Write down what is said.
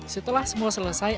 setelah semua selesai